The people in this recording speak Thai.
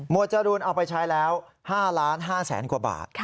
จรูนเอาไปใช้แล้ว๕๕๐๐๐๐กว่าบาท